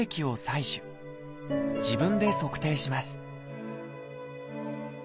自分で測定します